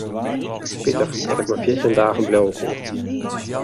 Spitich dat ik mar fjirtjin dagen bliuwe koe.